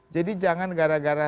jadi jangan gara gara